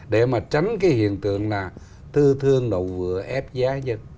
để mà tránh cái hiện tượng là thư thương đầu vừa ép giá